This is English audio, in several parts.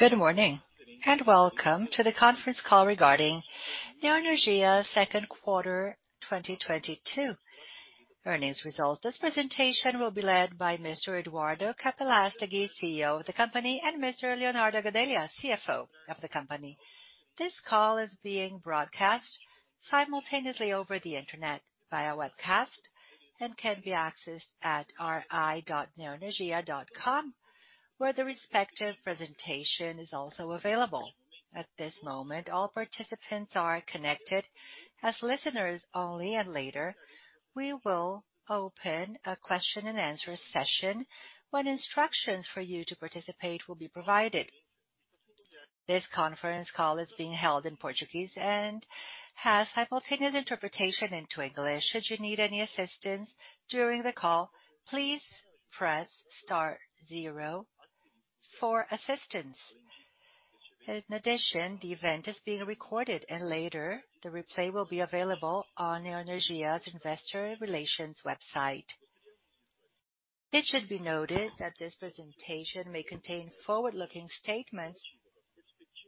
Good morning, welcome to the conference call regarding Neoenergia Second Quarter 2022 Earnings Result. This presentation will be led by Mr. Eduardo Capelastegui, CEO of the company, and Mr. Leonardo Gadelha, CFO of the company. This call is being broadcast simultaneously over the Internet via webcast, and can be accessed at ri.neoenergia.com, where the respective presentation is also available. At this moment, all participants are connected as listeners only, and later we will open a question-and-answer session when instructions for you to participate will be provided. This conference call is being held in Portuguese and has simultaneous interpretation into English. Should you need any assistance during the call, please press star zero for assistance. In addition, the event is being recorded, and later the replay will be available on Neoenergia's Investor Relations website. It should be noted that this presentation may contain forward-looking statements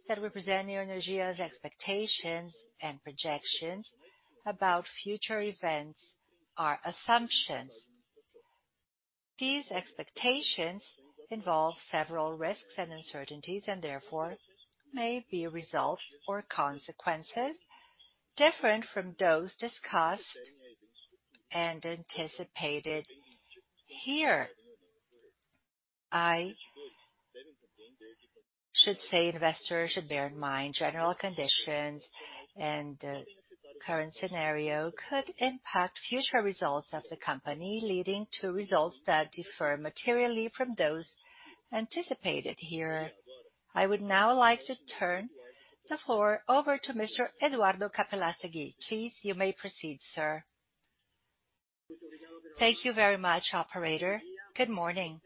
that represent Neoenergia's expectations and projections about future events or assumptions. These expectations involve several risks and uncertainties, and therefore may be results or consequences different from those discussed and anticipated here. I should say investors should bear in mind general conditions and the current scenario could impact future results of the company, leading to results that differ materially from those anticipated here. I would now like to turn the floor over to Mr. Eduardo Capelastegui. Please, you may proceed, sir. Thank you very much, operator. Good morning.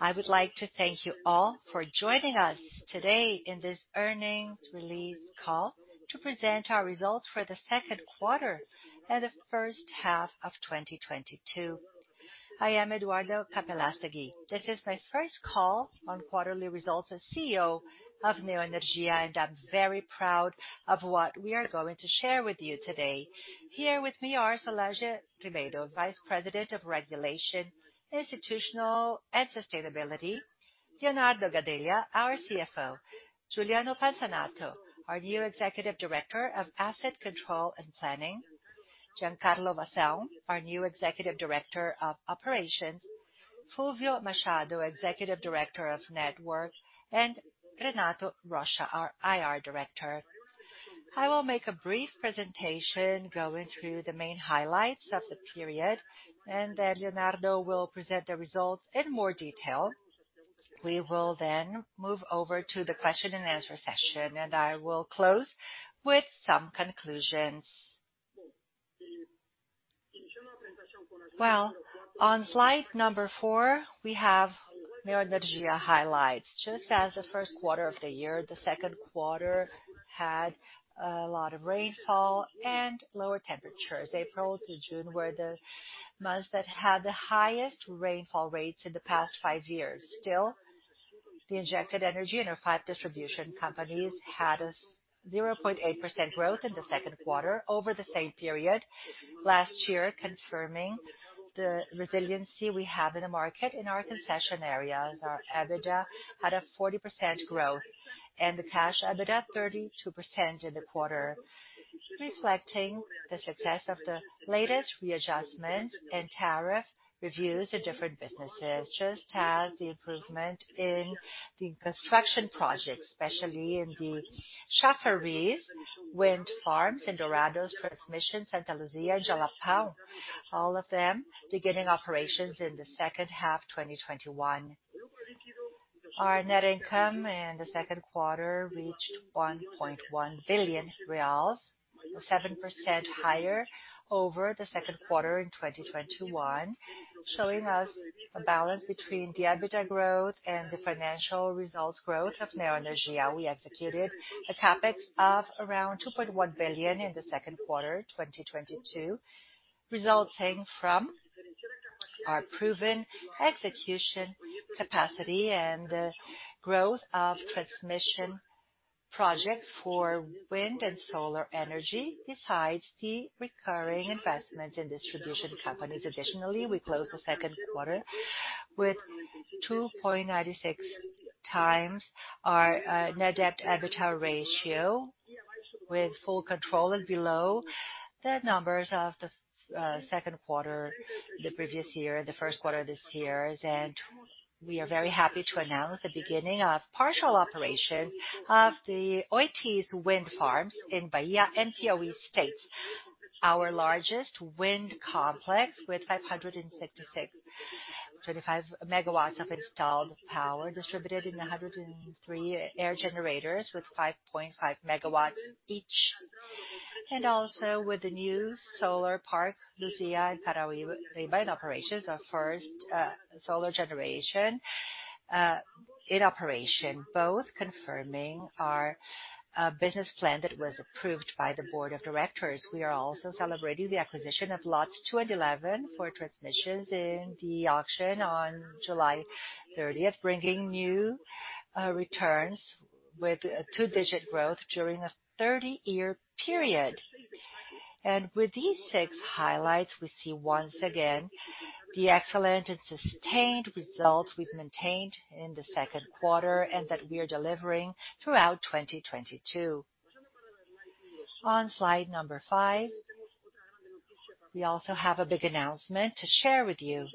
I would like to thank you all for joining us today in this earnings release call to present our results for the second quarter and the first half of 2022. I am Eduardo Capelastegui. This is my first call on quarterly results as CEO of Neoenergia, and I'm very proud of what we are going to share with you today. Here with me are Solange Ribeiro, Vice President of Regulation, Institutional, and Sustainability, Leonardo Gadelha, our CFO, Juliano Pansanato, our new Executive Director of Asset Control and Planning, Giancarlo Vassão, our new Executive Director of Operations, Fúlvio Machado, Executive Director of Network, and Renato Rocha, our IR Director. I will make a brief presentation going through the main highlights of the period, and then Leonardo will present the results in more detail. We will then move over to the question-and-answer session, and I will close with some conclusions. Well, on slide number four, we have Neoenergia highlights. Just as the first quarter of the year, the second quarter had a lot of rainfall and lower temperatures. April to June were the months that had the highest rainfall rates in the past five years. Still, the injected energy in our five distribution companies had a 0.8% growth in the second quarter over the same period last year, confirming the resiliency we have in the market in our concession areas. Our EBITDA had a 40% growth, and the cash EBITDA 32% in the quarter, reflecting the success of the latest readjustment and tariff reviews in different businesses. Just as the improvement in the construction projects, especially in the Chafariz wind farms in Dourados transmission, Santa Luzia in Jalapão, all of them beginning operations in the second half 2021. Our net income in the second quarter reached 1.1 billion reais, 7% higher over the second quarter in 2021, showing us a balance between the EBITDA growth and the financial results growth of Neoenergia. We executed a CapEx of around 2.1 billion in the second quarter 2022, resulting from our proven execution capacity and the growth of transmission projects for wind and solar energy, besides the recurring investments in distribution companies. Additionally, we closed the second quarter with 2.96x our net debt EBITDA ratio with full control and below the numbers of the second quarter the previous year, the first quarter this year. We are very happy to announce the beginning of partial operation of the Oitis wind farms in Bahia and Piauí states, our largest wind complex with 566.5 MW of installed power distributed in 103 aerogenerators with 5.5 MW each. Also with the new solar park, Luzia in Paraíba, in operation, the first solar generation in operation, both confirming our business plan that was approved by the Board of Directors. We are also celebrating the acquisition of lots two and 11 for transmissions in the auction on July 30th, bringing new returns with a two-digit growth during a 30-year period. With these six highlights, we see once again the excellent and sustained results we've maintained in the second quarter and that we are delivering throughout 2022. On slide number five, we also have a big announcement to share with you.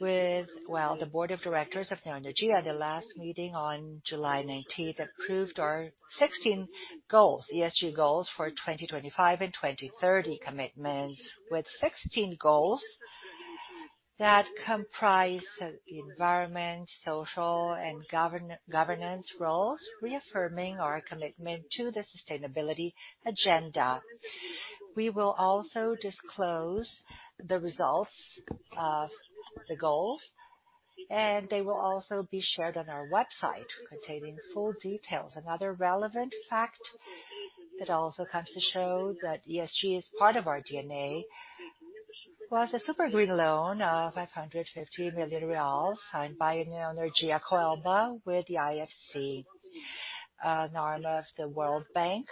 Well, the board of directors of Neoenergia at the last meeting on July 19th approved our 16 ESG goals for 2025 and 2030 commitments. With 16 goals that comprise environment, social, and governance roles, reaffirming our commitment to the sustainability agenda. We will also disclose the results of the goals, and they will also be shared on our website containing full details. Another relevant fact that also comes to show that ESG is part of our DNA was a super green loan of 550 million real signed by Neoenergia Coelba with the IFC, an arm of the World Bank.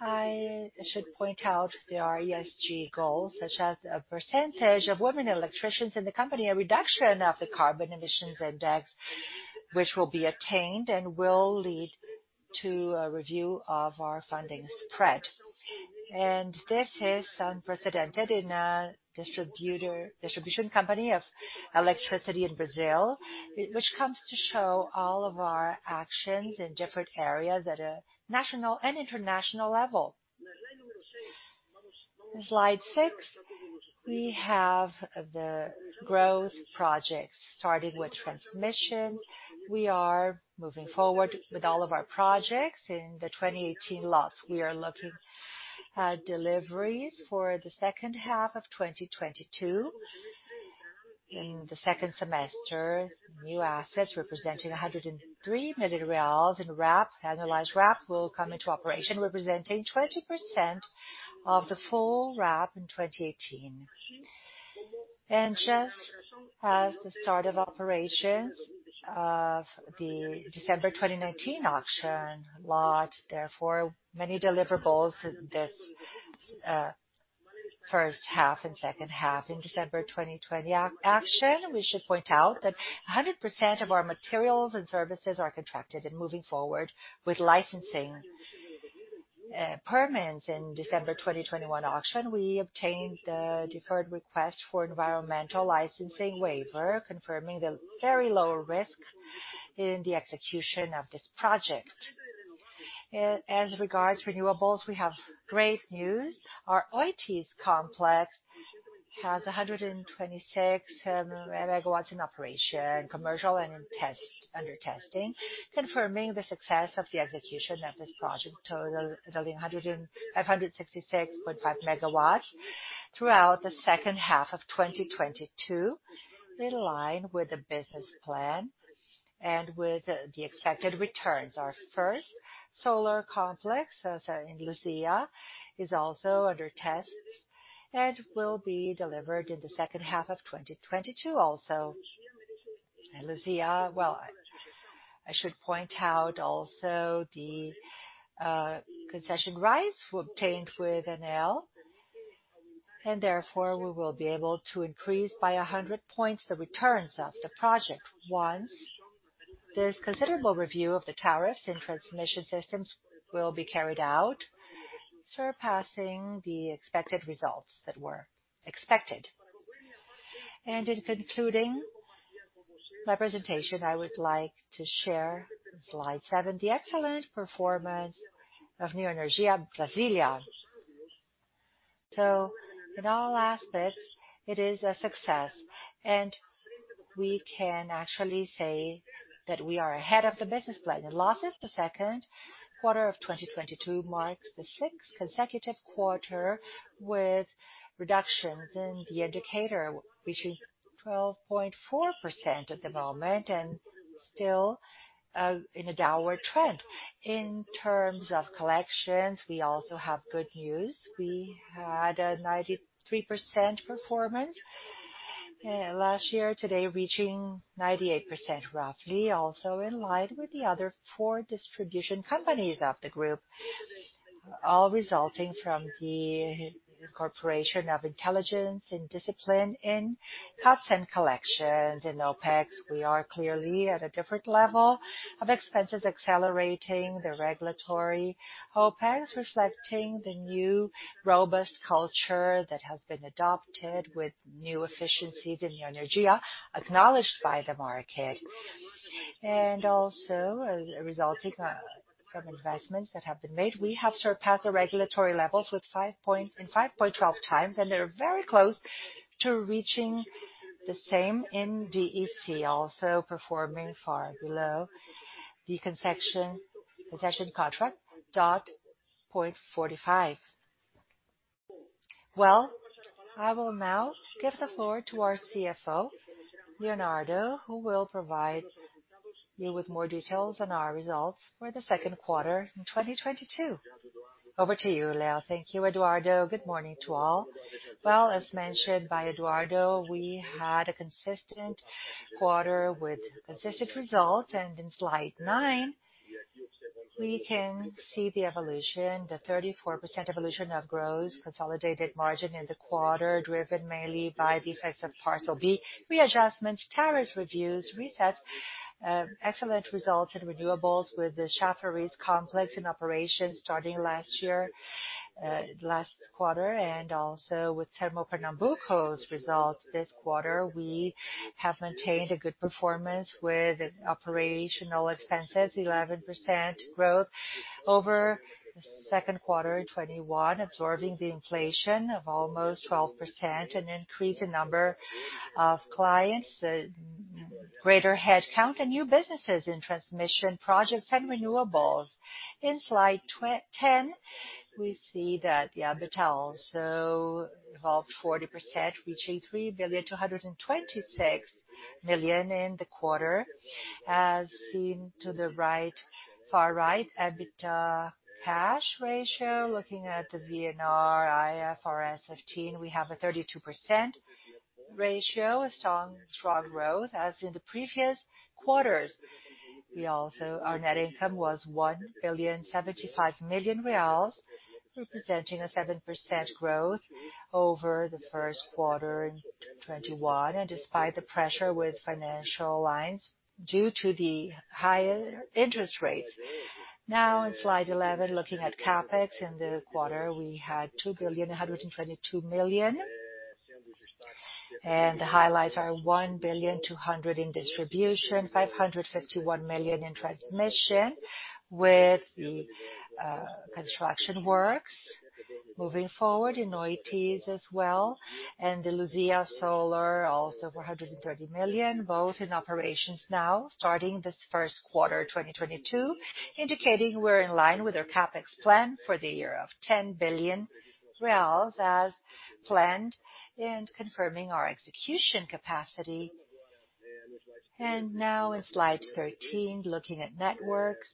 I should point out there are ESG goals such as a percentage of women electricians in the company, a reduction of the carbon emissions index, which will be attained and will lead to a review of our funding spread. This is unprecedented in a distribution company of electricity in Brazil, which comes to show all of our actions in different areas at a national and international level. Slide six, we have the growth projects starting with transmission. We are moving forward with all of our projects in the 2018 lots. We are looking at deliveries for the second half of 2022. In the second semester, new assets representing 103 million reais in RAP, annualized RAP will come into operation, representing 20% of the full RAP in 2018. Just as the start of operations of the December 2019 auction lot, therefore many deliverables in this first half and second half in December 2020 auction. We should point out that 100% of our materials and services are contracted. Moving forward with licensing permits in December 2021 auction, we obtained the deferred request for environmental licensing waiver, confirming the very low risk in the execution of this project. As regards renewables, we have great news. Our Oitis complex has 126 MW in operation, commercial, and under testing, confirming the success of the execution of this project, total building 566.5 MW throughout the second half of 2022, in line with the business plan and with the expected returns. Our first solar complex in Luzia is also under test and will be delivered in the second half of 2022 also. Luzia, well, I should point out also the concession rights we obtained with Enel, and therefore we will be able to increase by 100 points the returns of the project once this considerable review of the tariffs and transmission systems will be carried out, surpassing the expected results that were expected. In concluding my presentation, I would like to share slide seven, the excellent performance of Neoenergia Brasília. In all aspects, it is a success, and we can actually say that we are ahead of the business plan. In losses, the second quarter of 2022 marks the sixth consecutive quarter with reductions in the indicator, reaching 12.4% at the moment and still in a downward trend. In terms of collections, we also have good news. We had a 93% performance last year, today reaching 98% roughly, also in line with the other four distribution companies of the group, all resulting from the incorporation of intelligence and discipline in cuts and collections. In OpEx, we are clearly at a different level of expenses, accelerating the regulatory OpEx, reflecting the new robust culture that has been adopted with new efficiencies in Neoenergia, acknowledged by the market, resulting from investments that have been made. We have surpassed the regulatory levels with 5.12x, and they are very close to reaching the same in DEC, also performing far below the concession contract 0.45. Well, I will now give the floor to our CFO, Leonardo, who will provide you with more details on our results for the second quarter in 2022. Over to you, Leo. Thank you, Eduardo. Good morning to all. Well, as mentioned by Eduardo, we had a consistent quarter with consistent results. In slide nine, we can see the evolution, the 34% evolution of gross consolidated margin in the quarter, driven mainly by the effects of Parcel B readjustments, tariff reviews, resets, excellent results in renewables with the Chafariz complex in operation starting last year, last quarter. With Termopernambuco's results this quarter, we have maintained a good performance with operational expenses, 11% growth over the second quarter in 2021, absorbing the inflation of almost 12%, an increase in number of clients, greater headcount and new businesses in transmission projects and renewables. In slide 10, we see that the EBITDA also evolved 40%, reaching 3.226 billion in the quarter. As seen to the right, far right, EBITDA cash ratio, looking at the VNR, IFRS 15, we have a 32% ratio, a strong growth as in the previous quarters. Our net income was 1.075 billion reais, representing a 7% growth over the first quarter in 2021, and despite the pressure with financial lines due to the higher interest rates. Now in slide 11, looking at CapEx in the quarter, we had 2.122 billion. The highlights are 1.2 billion in distribution, 551 million in transmission with the construction works moving forward in Oitis as well. The Luzia Solar, also 430 million, both in operations now starting this first quarter 2022, indicating we're in line with our CapEx plan for the year of 10 billion reais as planned and confirming our execution capacity. Now in slide 13, looking at networks,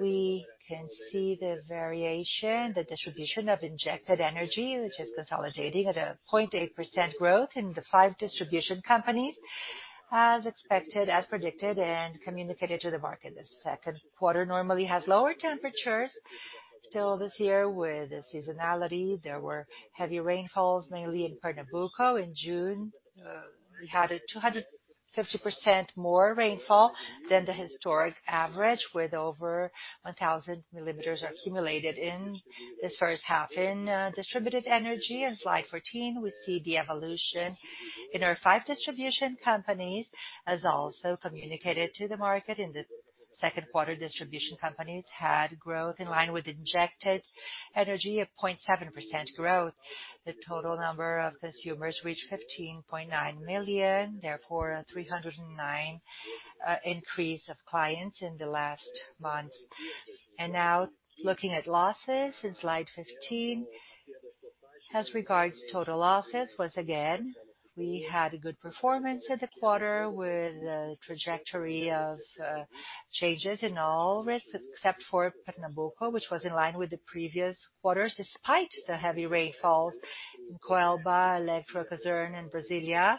we can see the variation, the distribution of injected energy, which is consolidating at a 0.8% growth in the five distribution companies, as expected, as predicted, and communicated to the market. The second quarter normally has lower temperatures. Still this year with the seasonality, there were heavy rainfalls, mainly in Pernambuco. In June, we had 250% more rainfall than the historic average, with over 1,000 mm accumulated in this first half in distributed energy. In slide 14, we see the evolution in our five distribution companies, as also communicated to the market. In the second quarter, distribution companies had growth in line with injected energy at 0.7% growth. The total number of consumers reached 15.9 million, therefore, a 309,000 Increase of clients in the last month. Now looking at losses in slide 15. As regards total losses, once again, we had a good performance in the quarter with a trajectory of changes in our DisCos, except for Pernambuco, which was in line with the previous quarters despite the heavy rainfalls. In Coelba, Elektro, Cosern, and Brasília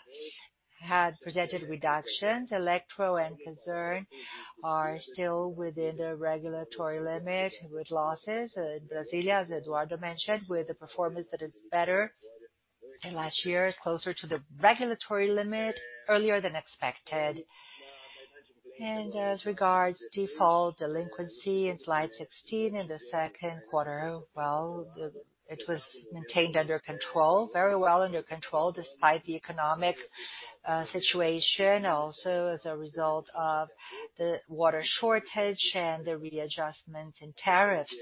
had presented reductions. Elektro and Cosern are still within their regulatory limit with losses. In Brasília, as Eduardo mentioned, with a performance that is better than last year's, closer to the regulatory limit earlier than expected. As regards default delinquency in slide 16 in the second quarter, It was maintained under control, very well under control, despite the economic situation, also as a result of the water shortage and the readjustment in tariffs.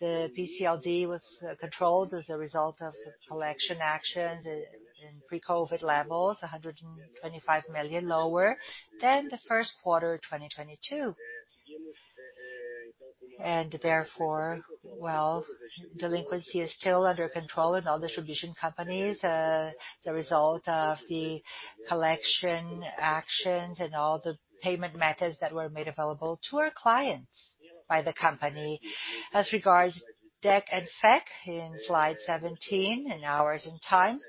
The PCLD was controlled as a result of collection actions in pre-COVID levels, 125 million lower than the first quarter of 2022. Therefore, delinquency is still under control in all distribution companies, the result of the collection actions and all the payment methods that were made available to our clients by the company. As regards DEC and FEC in slide 17, in hours and times,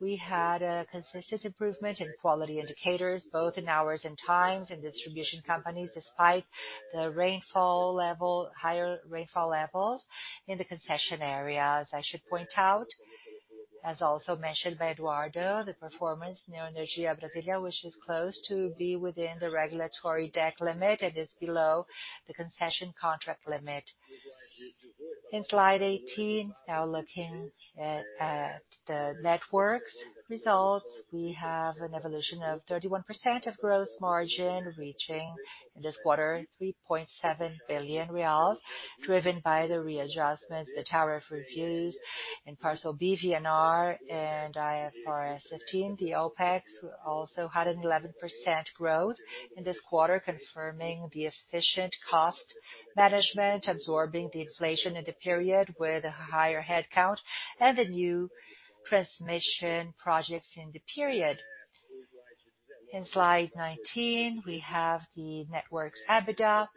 we had a consistent improvement in quality indicators, both in hours and times in distribution companies, despite the rainfall level, higher rainfall levels in the concession areas, I should point out. As also mentioned by Eduardo, the performance Neoenergia Brasília, which is close to be within the regulatory DEC limit and is below the concession contract limit. In slide 18, now looking at the networks results, we have an evolution of 31% of gross margin reaching in this quarter BRL 3.7 billion, driven by the readjustments, the tariff reviews in Parcel B VNR and IFRS 15. The OpEx also had an 11% growth in this quarter, confirming the efficient cost management, absorbing the inflation in the period with a higher headcount and the new transmission projects in the period. In slide 19, we have the network's EBITDA,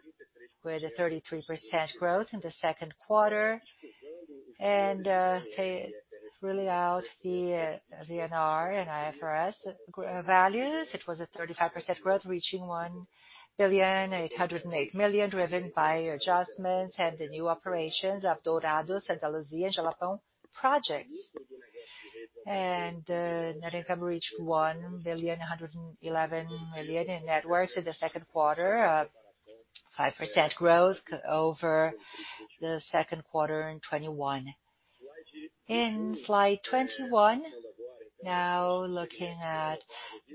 with a 33% growth in the second quarter. Excluding the VNR and IFRS adjustments, it was a 35% growth, reaching 1.808 billion, driven by adjustments and the new operations of Dourados and Santa Luzia Jalapão projects. Net income reached 1.111 billion in networks in the second quarter, 5% growth over the second quarter in 2021. In slide 21, now looking at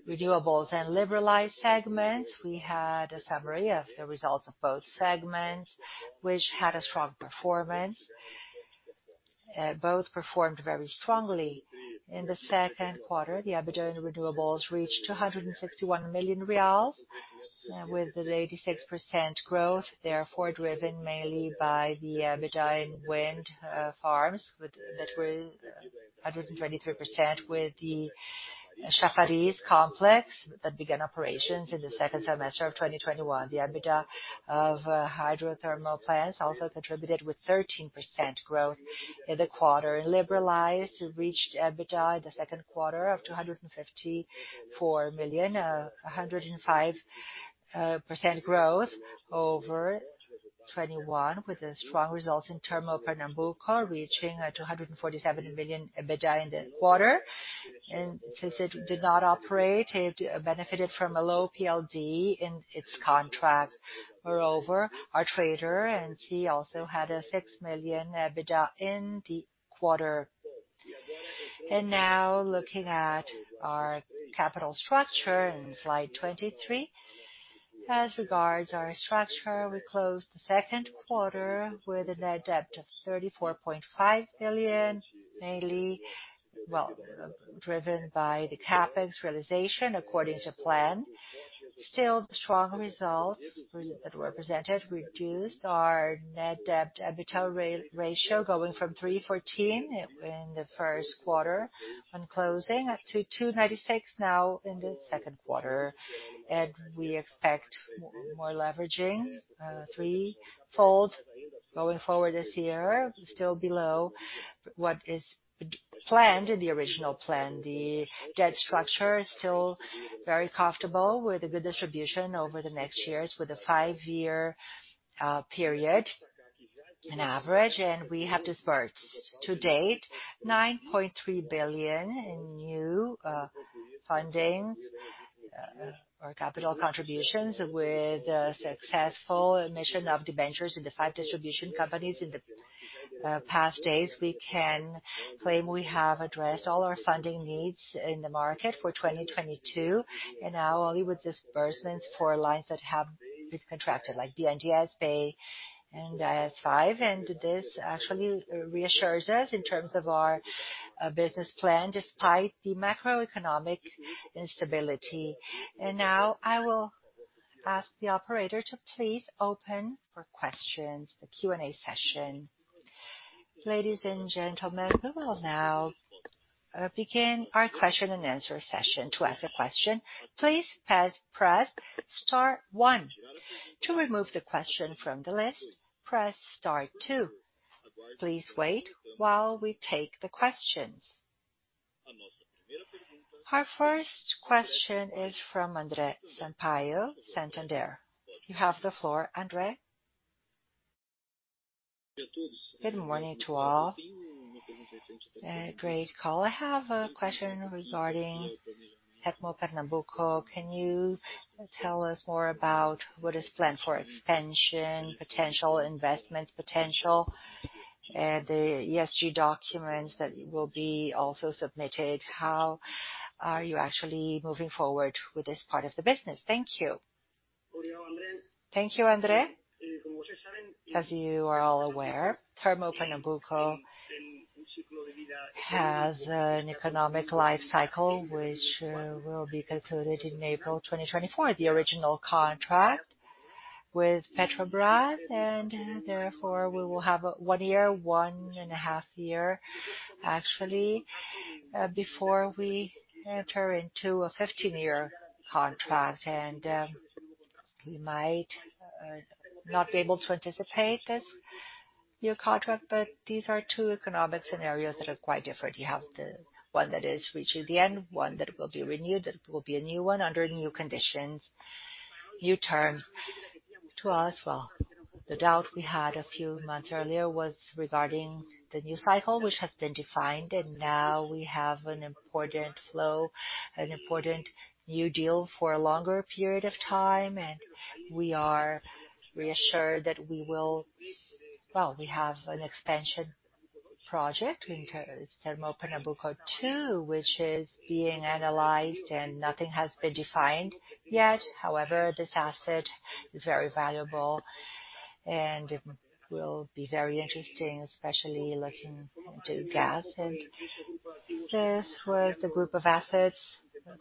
renewables and liberalized segments. We had a summary of the results of both segments, which had a strong performance. Both performed very strongly. In the second quarter, the EBITDA in renewables reached BRL 261 million, with an 86% growth, therefore driven mainly by the EBITDA in wind farms that were 123% with the Chafariz Complex that began operations in the second semester of 2021. The EBITDA of hydrothermal plants also contributed with 13% growth in the quarter. In liberalized, we reached EBITDA in the second quarter of 254 million, a 105% growth over 2021, with the strong results in Termopernambuco reaching 247 million EBITDA in the quarter. Since it did not operate, it benefited from a low PLD in its contracts. Moreover, our trader, NC, also had 6 million EBITDA in the quarter. Now looking at our capital structure in slide 23. As regards our structure, we closed the second quarter with a net debt of 34.5 billion, mainly driven by the CapEx realization according to plan. Still, the strong results that were presented reduced our net debt EBITDA ratio, going from 3.14 in the first quarter on closing, up to 2.96 now in the second quarter. We expect more leveraging threefold going forward this year, still below what is planned in the original plan. The debt structure is still very comfortable with the good distribution over the next years with a five-year period in average. We have disbursed to date 9.3 billion in new fundings or capital contributions with a successful admission of debentures in the five distribution companies in the past days. We can claim we have addressed all our funding needs in the market for 2022, and now only with disbursements for lines that have been contracted, like BNDES and AS five. This actually reassures us in terms of our business plan, despite the macroeconomic instability. Now I will ask the operator to please open for questions, the Q&A session. Ladies and gentlemen, we will now begin our question-and-answer session. To ask a question, please press star one. To remove the question from the list, press star two. Please wait while we take the questions. Our first question is from André Sampaio, Santander. You have the floor, André. Good morning to all. Great call. I have a question regarding Termopernambuco. Can you tell us more about what is planned for expansion, potential investment potential, the ESG documents that will also be submitted? How are you actually moving forward with this part of the business? Thank you. Thank you, André. As you are all aware, Termopernambuco has an economic life cycle which will be concluded in April 2024, the original contract with Petrobras. Therefore, we will have one year, one and a half year, actually, before we enter into a 15-year contract. We might not be able to anticipate this new contract, but these are two economic scenarios that are quite different. You have the one that is reaching the end, one that will be renewed, that will be a new one under new conditions, new terms. To us, well, the doubt we had a few months earlier was regarding the new cycle, which has been defined, and now we have an important flow, an important new deal for a longer period of time. We are reassured that we will. Well, we have an expansion project in Termopernambuco II, which is being analyzed, and nothing has been defined yet. However, this asset is very valuable and will be very interesting, especially looking into gas. This was a group of assets,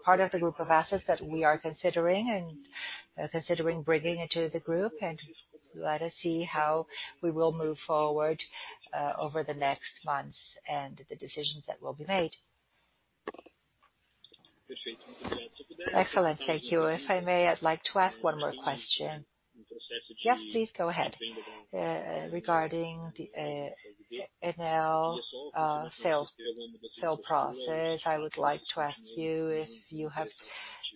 part of the group of assets that we are considering, and considering bringing into the group. Let us see how we will move forward over the next months and the decisions that will be made. Excellent. Thank you. If I may, I'd like to ask one more question. Yes, please go ahead. Regarding the Enel sale process, I would like to ask you if you have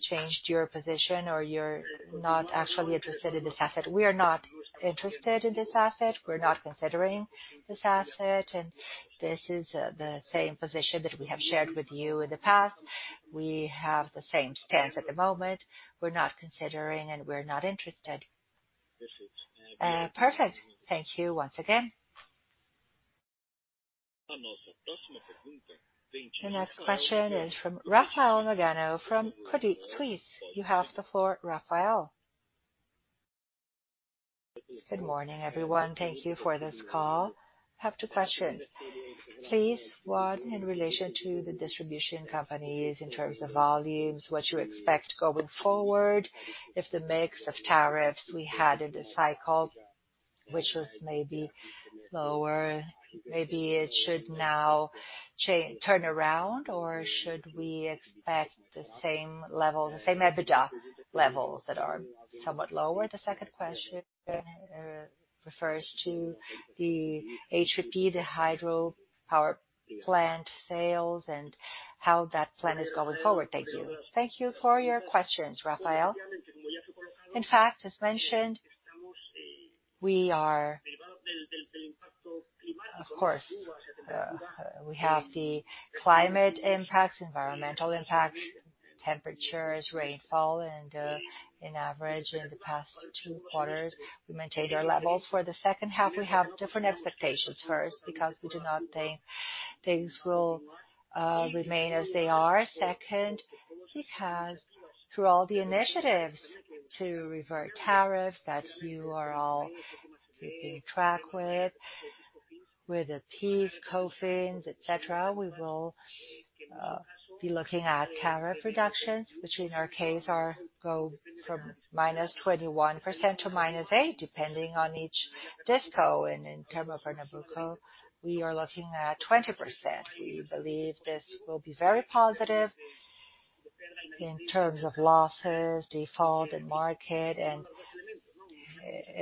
changed your position or you're not actually interested in this asset. We are not interested in this asset. We're not considering this asset, and this is the same position that we have shared with you in the past. We have the same stance at the moment. We're not considering and we're not interested. Perfect. Thank you once again. The next question is from Rafael Nagano from Credit Suisse. You have the floor, Rafael. Good morning, everyone. Thank you for this call. I have two questions. Please, one in relation to the distribution companies in terms of volumes, what you expect going forward, if the mix of tariffs we had in the cycle, which was maybe lower, maybe it should now turn around or should we expect the same level, the same EBITDA levels that are somewhat lower? The second question refers to the HPP, the hydro power plant sales and how that plan is going forward. Thank you. Thank you for your questions, Rafael. In fact, as mentioned, we are, of course, we have the climate impacts, environmental impacts, temperatures, rainfall, and, in average in the past two quarters, we maintain our levels. For the second half, we have different expectations. First, because we do not think things will remain as they are. Second, because through all the initiatives to revert tariffs that you are all keeping track with the PIS/Cofins, et cetera, we will be looking at tariff reductions, which in our case are going from -21% to -8%, depending on each DisCo. In terms of Pernambuco, we are looking at 20%. We believe this will be very positive in terms of losses, default, and market.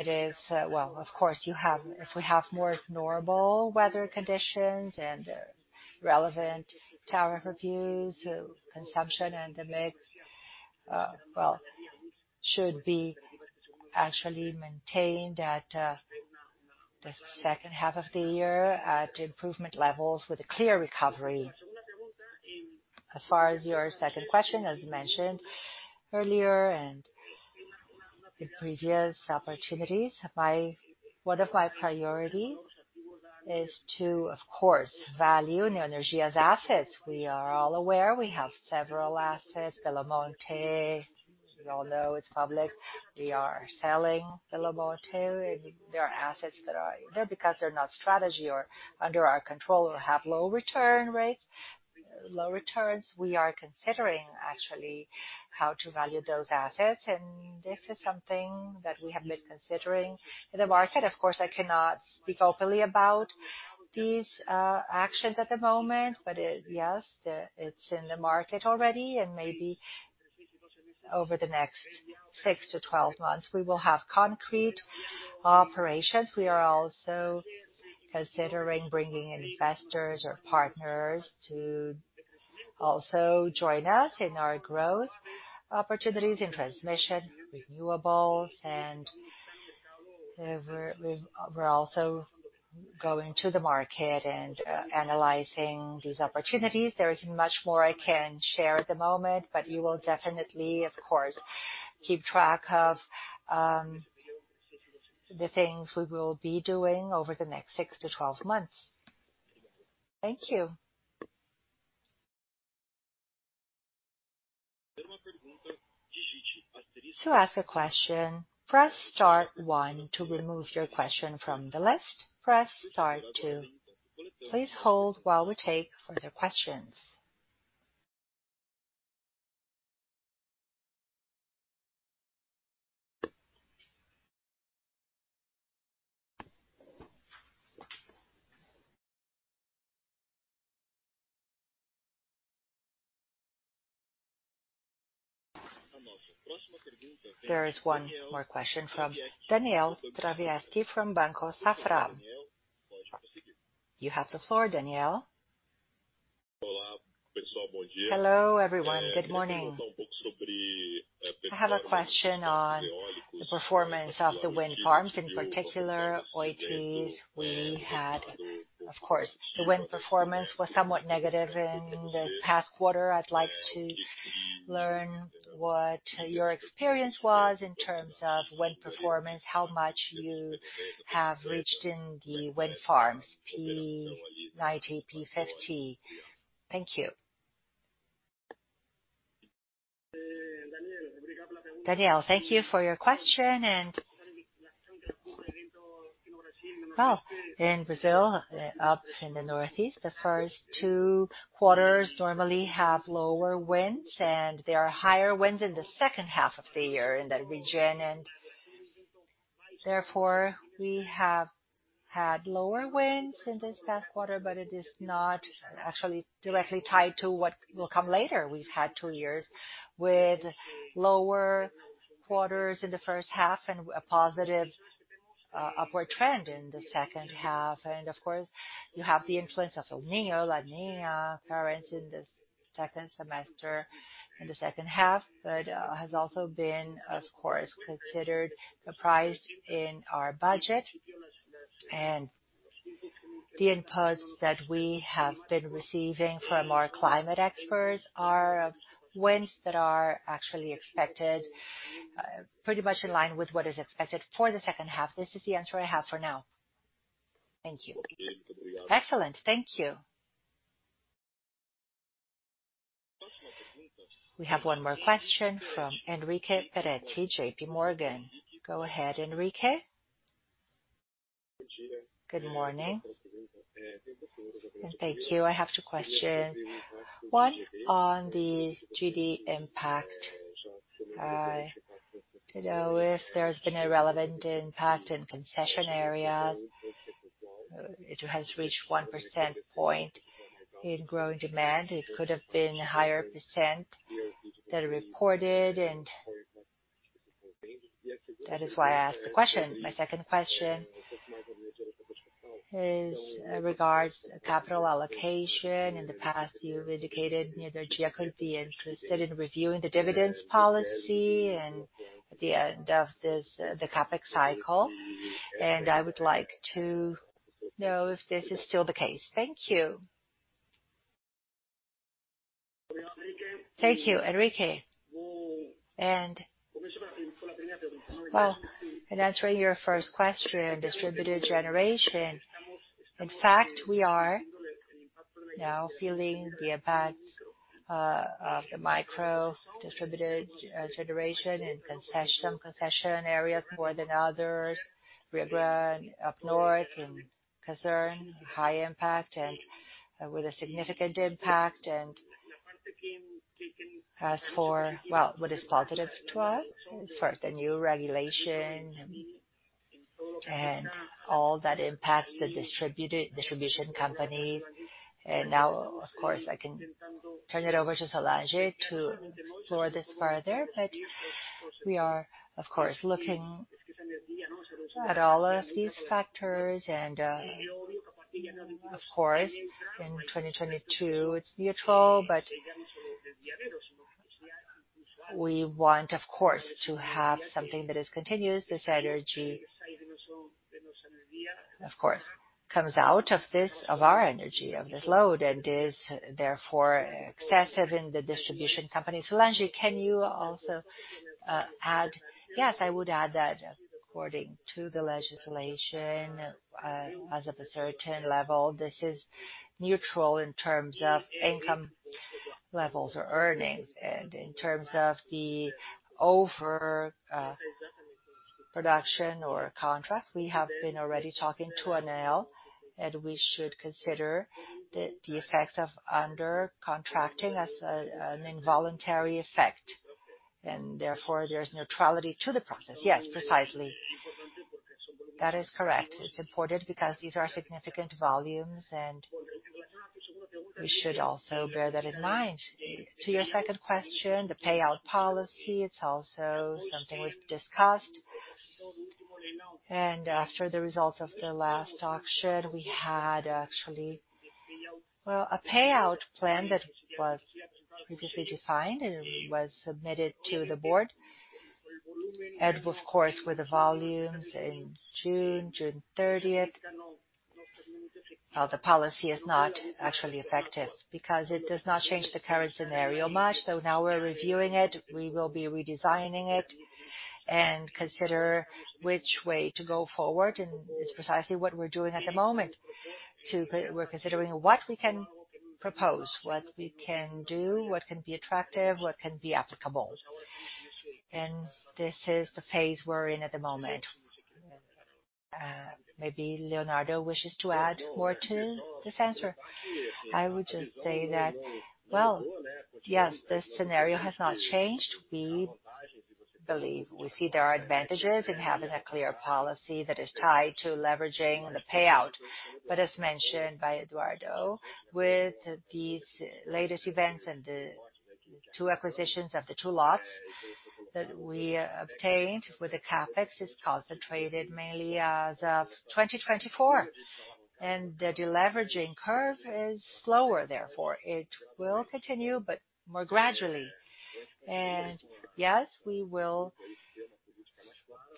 It is, well, of course, you have. If we have more normal weather conditions and relevant tariff reviews, consumption and the mix, well, should be actually maintained at the second half of the year at improvement levels with a clear recovery. As far as your second question, as mentioned earlier and in previous opportunities, one of my priorities is to, of course, value Neoenergia's assets. We are all aware we have several assets. Belo Monte, we all know it's public. We are selling Belo Monte. There are assets that are there because they're not strategic or under our control or have low return rates, low returns. We are considering actually how to value those assets, and this is something that we have been considering in the market. Of course, I cannot speak openly about these actions at the moment. Yes, it's in the market already, and maybe over the next six to 12 months, we will have concrete operations. We are also considering bringing investors or partners to also join us in our growth opportunities in transmission, renewables, and we're also going to the market and analyzing these opportunities. There isn't much more I can share at the moment, but you will definitely, of course, keep track of the things we will be doing over the next six to 12 months. Thank you. To ask a question, press star one. To remove your question from the list, press star two. Please hold while we take further questions. There is one more question from Daniel Travitzky from Banco Safra. You have the floor, Daniel. Hello, everyone. Good morning. I have a question on the performance of the wind farms, in particular Oitis. We had, of course, the wind performance was somewhat negative in this past quarter. I'd like to learn what your experience was in terms of wind performance, how much you have reached in the wind farms, P90, P50. Thank you. Daniel, thank you for your question. Well, in Brazil, up in the Northeast, the first two quarters normally have lower winds, and there are higher winds in the second half of the year in that region. Therefore, we have had lower winds in this past quarter, but it is not actually directly tied to what will come later. We've had two years with lower quarters in the first half and a positive, upward trend in the second half. Of course, you have the influence of El Niño, La Niña currents in this second semester, in the second half, but has also been, of course, considered the price in our budget. The inputs that we have been receiving from our climate experts are of winds that are actually expected, pretty much in line with what is expected for the second half. This is the answer I have for now. Thank you. Excellent. Thank you. We have one more question from Henrique Peretti, JPMorgan. Go ahead, Henrique. Good morning, and thank you. I have two questions. One, on the GD impact. To know if there's been a relevant impact in concession areas. It has reached 1 percentage point in growing demand. It could have been higher percentage that is reported, and that is why I ask the question. My second question is regarding capital allocation. In the past, you've indicated, you know, that we could be interested in reviewing the dividends policy at the end of this CapEx cycle, and I would like to know if this is still the case. Thank you. Thank you, Henrique. Well, in answering your first question, distributed generation. In fact, we are now feeling the impact of the micro distributed generation in concession, some concession areas more than others. Ribeira up north in Ceará, high impact and with a significant impact. As for, well, what is positive to us, first, the new regulation and all that impacts the distribution company. Now, of course, I can turn it over to Solange to explore this further. We are, of course, looking at all of these factors. Of course, in 2022 it's neutral, but we want, of course, to have something that is continuous. This energy, of course, comes out of this, of our energy, of this load, and is therefore excessive in the distribution company. Solange, can you also add? Yes, I would add that according to the legislation, as of a certain level, this is neutral in terms of income levels or earnings. In terms of the overproduction or underproduction, we have been already talking to ANEEL, and we should consider the effects of under contracting as an involuntary effect. Therefore, there's neutrality to the process. Yes, precisely. That is correct. It's important because these are significant volumes, and we should also bear that in mind. To your second question, the payout policy, it's also something we've discussed. After the results of the last auction, we had actually, well, a payout plan that was previously defined and was submitted to the board. Of course, with the volumes in June 30th, well, the policy is not actually effective because it does not change the current scenario much. Now we're reviewing it. We will be redesigning it and consider which way to go forward, and it's precisely what we're doing at the moment to. We're considering what we can propose, what we can do, what can be attractive, what can be applicable. This is the phase we're in at the moment. Maybe Leonardo wishes to add more to this answer. I would just say that, well, yes, the scenario has not changed. We believe we see there are advantages in having a clear policy that is tied to leveraging the payout. But as mentioned by Eduardo, with these latest events and the two acquisitions of the two lots that we obtained with the CapEx is concentrated mainly as of 2024, and the deleveraging curve is slower, therefore. It will continue, but more gradually. Yes, we will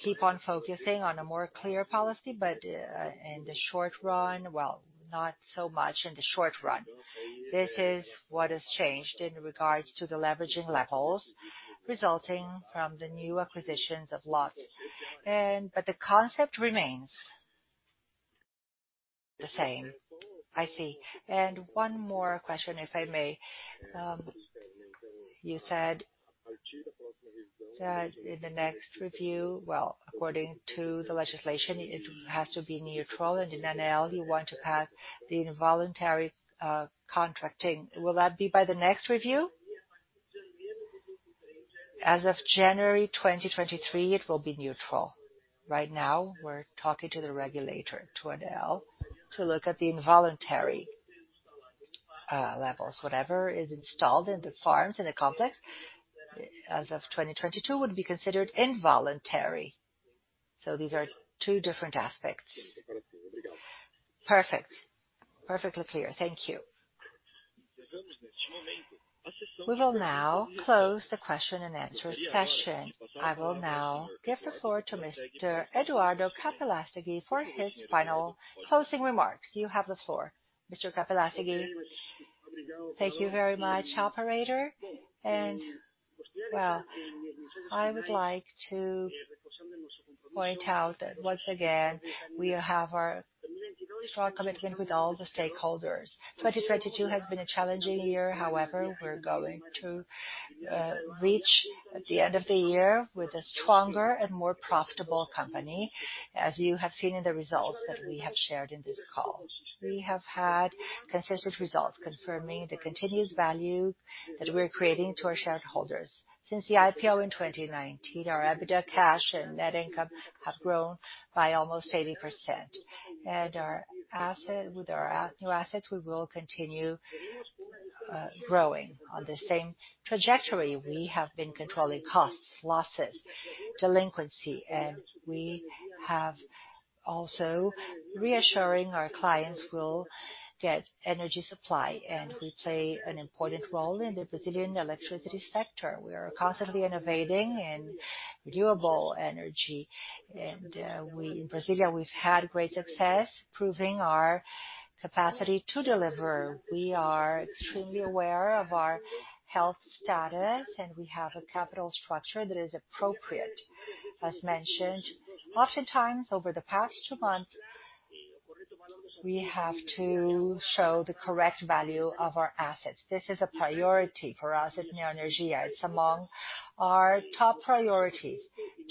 keep on focusing on a more clear policy, but, in the short run, well, not so much in the short run. This is what has changed in regards to the leveraging levels resulting from the new acquisitions of lots. The concept remains the same. I see. One more question, if I may. You said that in the next review, well, according to the legislation, it has to be neutral. In ANEEL you want to pass the involuntary contracting. Will that be by the next review? As of January 2023, it will be neutral. Right now, we're talking to the regulator, to ANEEL, to look at the involuntary levels. Whatever is installed in the farms, in the complex, as of 2022 would be considered involuntary. These are two different aspects. Perfect. Perfectly clear. Thank you. We will now close the question-and-answer session. I will now give the floor to Mr. Eduardo Capelastegui for his final closing remarks. You have the floor, Mr. Capelastegui. Thank you very much, operator. Well, I would like to point out that once again, we have our strong commitment with all the stakeholders. 2022 has been a challenging year. However, we're going to reach at the end of the year with a stronger and more profitable company, as you have seen in the results that we have shared in this call. We have had consistent results confirming the continuous value that we're creating to our shareholders. Since the IPO in 2019, our EBITDA, cash and net income have grown by almost 80%. With our new assets, we will continue growing. On the same trajectory, we have been controlling costs, losses, delinquency, and we have also reassuring our clients will get energy supply, and we play an important role in the Brazilian electricity sector. We are constantly innovating in renewable energy. In Brazil, we've had great success proving our capacity to deliver. We are extremely aware of our health status, and we have a capital structure that is appropriate. As mentioned, oftentimes over the past two months, we have to show the correct value of our assets. This is a priority for us at Neoenergia. It's among our top priorities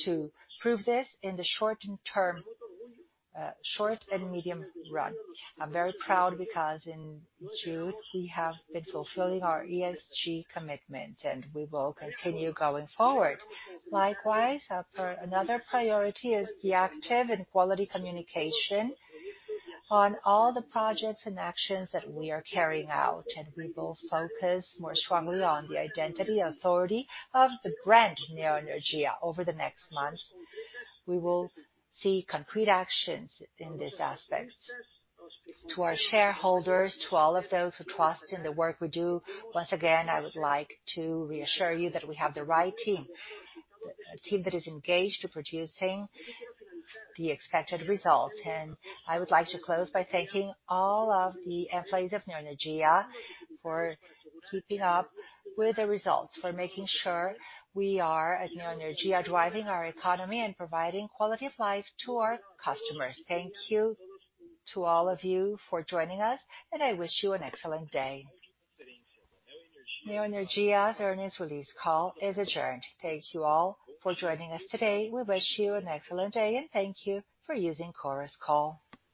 to prove this in the short-term, short and medium run. I'm very proud because in June we have been fulfilling our ESG commitment, and we will continue going forward. Likewise, another priority is the active and quality communication on all the projects and actions that we are carrying out. We will focus more strongly on the identity, authority of the brand Neoenergia over the next months. We will see concrete actions in this aspect. To our shareholders, to all of those who trust in the work we do, once again, I would like to reassure you that we have the right team, a team that is engaged to producing the expected results. I would like to close by thanking all of the employees of Neoenergia for keeping up with the results, for making sure we are, at Neoenergia, driving our economy and providing quality of life to our customers. Thank you to all of you for joining us, and I wish you an excellent day. Neoenergia's earnings release call is adjourned. Thank you all for joining us today. We wish you an excellent day, and thank you for using Chorus Call.